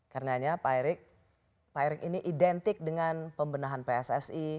karenanya pak erik pak erick ini identik dengan pembenahan pssi